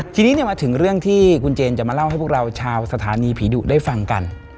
ทีนี้คุณเจนจะมาเล่าให้เราชาวสถานีผิดูได้ฟังกัน